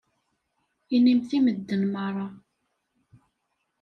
Inimt i medden meṛṛa.